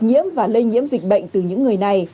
nhiễm và lây nhiễm dịch bệnh từ những người này